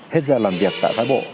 hết giờ làm việc tại phái bộ